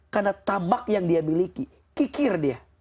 karena tamak yang dia miliki kikir dia